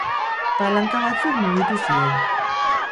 Palanka batzuk mugitu ziren.